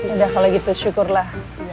udah kalo gitu syukurlah